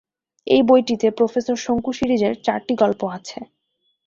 এই বইটিতে প্রোফেসর শঙ্কু সিরিজের চারটি গল্প আছে।